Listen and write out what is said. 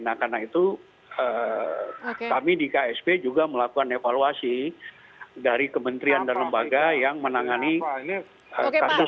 nah karena itu kami di ksp juga melakukan evaluasi dari kementerian dan lembaga yang menangani kasus ini